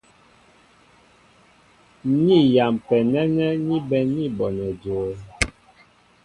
Ni yampɛ nɛ́nɛ́ ní bɛ̌n ní bonɛ jə̄ə̄.